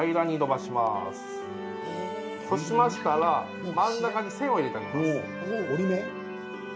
そうしましたら真ん中に線を入れてあげます。